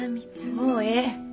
もうええ。